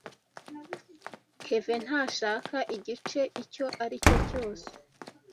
Kevin ntashaka igice icyo aricyo cyose.